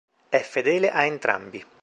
È fedele a entrambi.